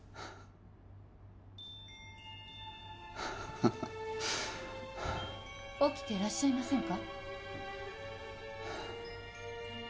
ハアハアハハハ起きてらっしゃいませんか？